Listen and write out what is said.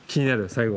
最後。